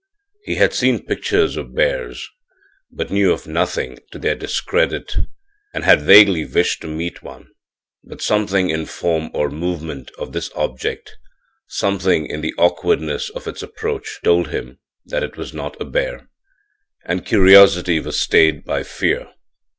He had seen pictures of bears, but knew of nothing to their discredit and had vaguely wished to meet one. But something in form or movement of this object something in the awkwardness of its approach told him that it was not a bear, and curiosity was stayed by fear.